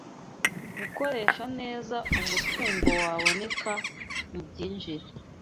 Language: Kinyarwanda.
Gukoresha neza umutungo waboneka mubyinjira